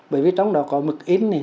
bởi vì trong đó có mực ít này